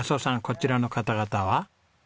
こちらの方々は？